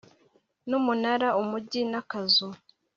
Numunara umujyi nakazu